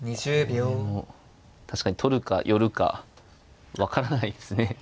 これも確かに取るか寄るか分からないですね。